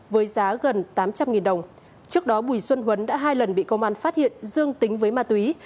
với giá gần tám trăm linh đồng trước đó bùi xuân huấn đã hai lần bị công an phát hiện dương tính với ma túy